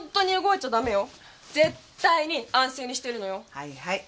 はいはい。